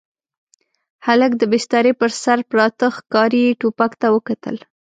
هلک د بسترې پر سر پراته ښکاري ټوپک ته وکتل.